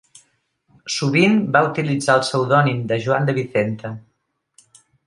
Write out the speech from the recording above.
Sovint va utilitzar el pseudònim de Joan de Vicenta.